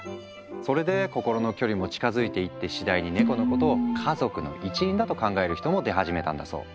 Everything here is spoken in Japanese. それで心の距離も近づいていって次第にネコのことを家族の一員だと考える人も出始めたんだそう。